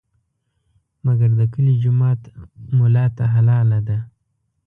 مګر د کلي جومات ملا ته حلاله ده.